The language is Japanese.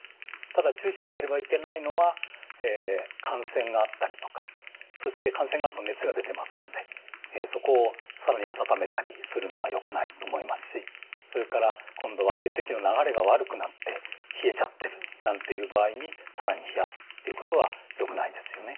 ただ注意しなければいけないのは感染があったりとかそして感染があると熱が出てますのでそこを更に温めたりするのはよくないと思いますしそれから今度は血液の流れが悪くなって冷えちゃってるなんていう場合に更に冷やすということはよくないですよね。